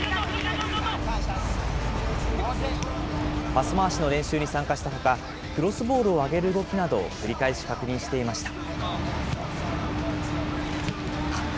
パス回しの練習に参加したほか、クロスボールを上げる動きなどを繰り返し確認していました。